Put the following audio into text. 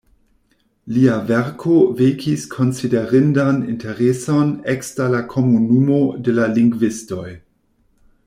Lia verko vekis konsiderindan intereson ekster la komunumo de la lingvistoj.